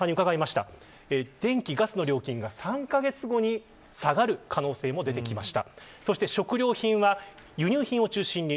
電気、ガスの料金が３カ月後に下がる可能性が出てきました。